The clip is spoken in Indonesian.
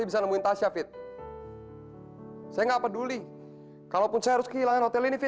biar saya berusaha menyarankan ini